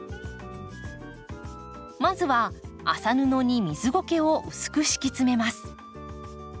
まずは麻布に水ゴケを薄く敷き詰めます。